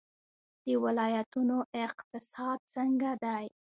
د ولایتونو اقتصاد څنګه دی؟